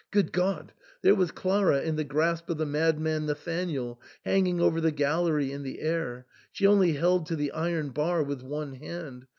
Good God ! there was Clara in the grasp of the mad man Nathanael, hanging over the gallery in the air ; she only held to the iron bar with one hand.